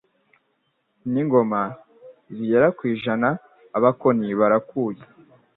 N'ingoma, zigera ku ijana Abakoni barakuya